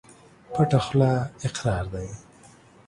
پټه خوله اقرار دى.